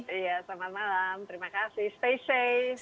iya selamat malam terima kasih stay safe